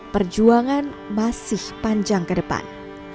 perjuangan masih panjang ke depan